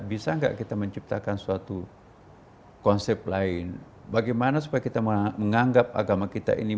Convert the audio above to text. bisa nggak kita menciptakan suatu konsep lain bagaimana supaya kita menganggap agama kita ini